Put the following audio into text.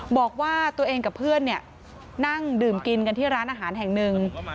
บอกว่าตัวเองกับเพื่อนนั่งดื่มกินกันที่ร้านอาหารแห่งหนึ่ง